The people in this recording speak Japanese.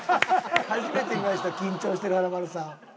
初めて見ました緊張してる華丸さん。